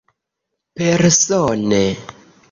Persone.